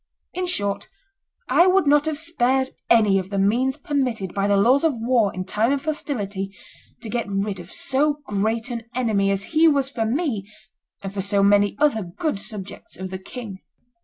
In short, I would not have spared any of the means permitted by the laws of war in time of hostility to get rid of so great an enemy as he was for me and for so many other good subjects of the king."